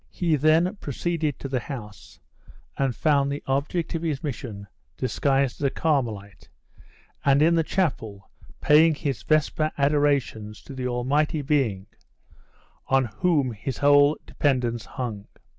He then proceeded to the house, and found the object of his mission disguised as a Carmelite, and in the chapel paying his vesper adorations to the Almighty Being on whom his whole dependence hung.